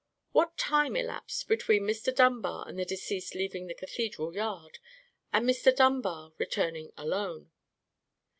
"What time elapsed between Mr. Dunbar and the deceased leaving the cathedral yard, and Mr. Dunbar returning alone?"